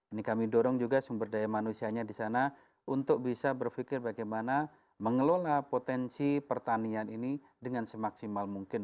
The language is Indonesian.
ini kami dorong juga sumber daya manusianya di sana untuk bisa berpikir bagaimana mengelola potensi pertanian ini dengan semaksimal mungkin